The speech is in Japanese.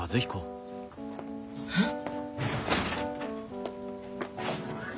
えっ？